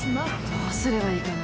どうすればいいかな。